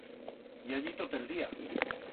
Ye allí tot el día.